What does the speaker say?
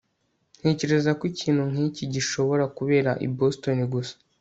ntekereza ko ikintu nkiki gishobora kubera i boston gusa